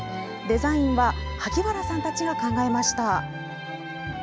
デザインは萩原さんたちが考えました。